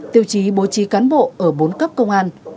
tiêu chí bố trí cán bộ ở bốn cấp công an